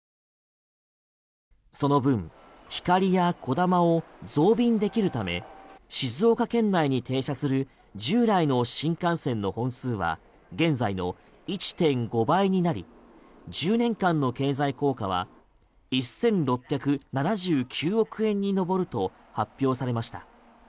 その分ひかりやこだまを増便できるため静岡県内に停車する従来の新幹線の本数は現在の１．５倍になり１０年間の経済効果は１６７９億円に上ると発表されました。